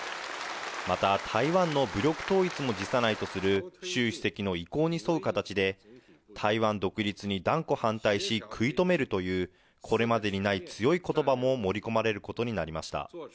また台湾の武力統一も辞さないとする習主席の意向に沿う形で、台湾独立に断固反対し、食い止めるという、これまでにない強いことばも盛り込まれることになりました。